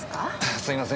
すいません。